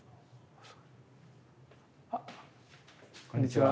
あっこんにちは。